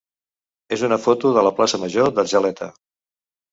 és una foto de la plaça major d'Argeleta.